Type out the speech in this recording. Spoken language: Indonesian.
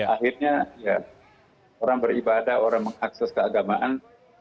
akhirnya ya orang beribadah orang mengakses keagamaan